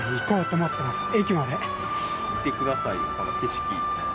見てくださいよこの景色。